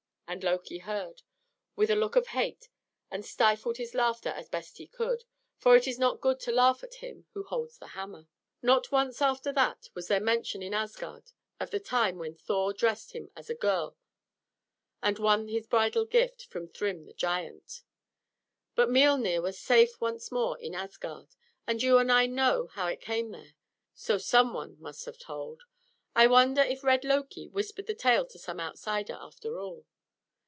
And Loki heard, with a look of hate, and stifled his laughter as best he could; for it is not good to laugh at him who holds the hammer. Not once after that was there mention in Asgard of the time when Thor dressed him as a girl and won his bridal gift from Thrym the giant. But Miölnir was safe once more in Asgard, and you and I know how it came there; so someone must have told. I wonder if red Loki whispered the tale to some outsider, after all?